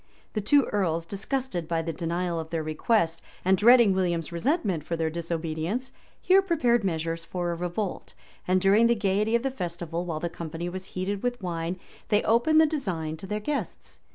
The two earls, disgusted by the denial of their request, and dreading William's resentment for their disobedience, here prepared measures for a revolt; and during the gayety of the festival, while the company was heated with wine, they opened the design to their guests.